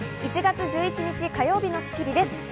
１月１１日、火曜日の『スッキリ』です。